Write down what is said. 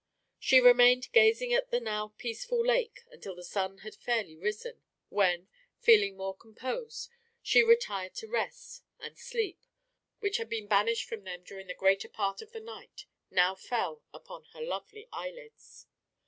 She remained gazing at the now peaceful lake till the sun had fairly risen, when, feeling more composed, she retired to rest, and sleep, which had been banished from them during the greater part of the night, now fell upon her lovely eyelids.